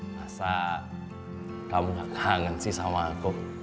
masa kamu gak kangen sih sama aku